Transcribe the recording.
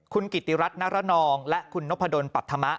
คุณกิติรัฐนรนองและคุณนพดลปัธมะ